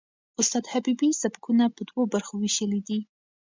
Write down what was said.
استاد حبیبي سبکونه په دوو برخو وېشلي دي.